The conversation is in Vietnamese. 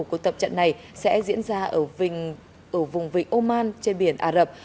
cuộc tập trận này sẽ diễn ra ở vùng vịnh oman trên biển ả rập